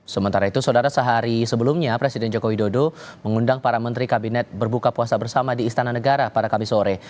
sementara itu saudara sehari sebelumnya presiden joko widodo mengundang para menteri kabinet berbuka puasa bersama di istana negara pada kamis sore